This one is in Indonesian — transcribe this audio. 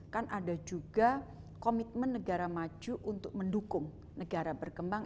kan ada juga komitmen negara maju untuk mendukung negara berkembang